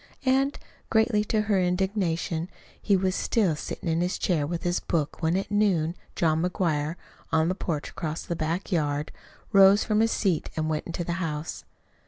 And, greatly to her indignation, he was still sitting in his chair with his book when at noon John McGuire, on the porch across the back yard, rose from his seat and went into the house.